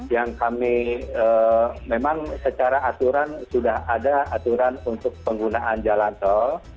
yang kami memang secara aturan sudah ada aturan untuk penggunaan jalan tol